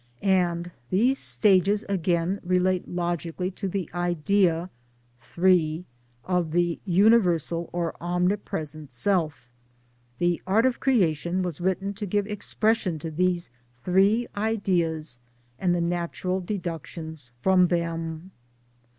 And these stages again relate logically to the idea (3) of the Universal or Omnipresent Self, The Art of Creation was written to give expression to these three ideas and the natural deductions from them.